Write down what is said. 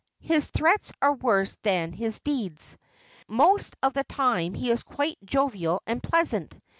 His threats are worse than his deeds. Most of the time he is quite jovial and pleasant.